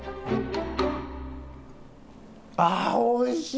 あっおいしい！